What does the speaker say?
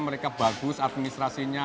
mereka bagus administrasinya